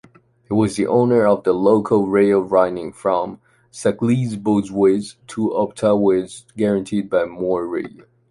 It was the owner of the local rail running from Skalitz-Boskowitz to Opatowitz, guaranteed by Moravia.